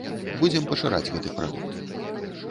Будзем пашыраць гэты прадукт.